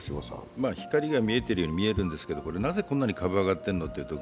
光が見えているように見えるんですけど、なぜこんなに株が上がってるというと、